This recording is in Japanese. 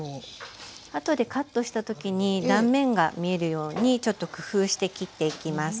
あとでカットした時に断面が見えるようにちょっと工夫して切っていきます。